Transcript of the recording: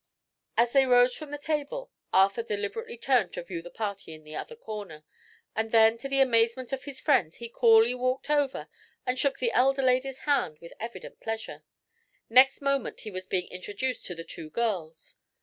As they rose from the table Arthur deliberately turned to view the party in the other corner, and then to the amazement of his friends he coolly walked over and shook the elder lady's hand with evident pleasure. Next moment he was being introduced to the two girls.